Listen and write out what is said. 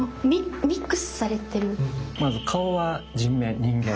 まず顔は人面人間。